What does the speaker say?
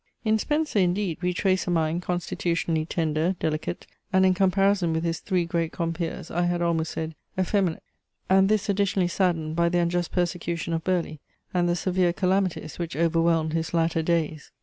In Spenser, indeed, we trace a mind constitutionally tender, delicate, and, in comparison with his three great compeers, I had almost said, effeminate; and this additionally saddened by the unjust persecution of Burleigh, and the severe calamities, which overwhelmed his latter days.